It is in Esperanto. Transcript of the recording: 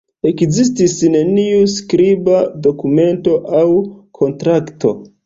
Ekzistis neniu skriba dokumento aŭ kontrakto.